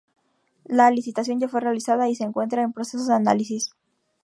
La licitación ya fue realizada y se encuentra en proceso de análisis.